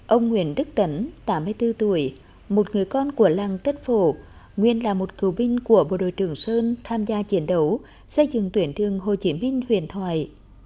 ông nguyễn đức tấn tám mươi bốn tuổi một người con của làng tất phổ nguyên là một cựu binh của bộ đội trường sơn tham gia chiến đấu xây dựng tuyển thương hồ chí minh huyền thoại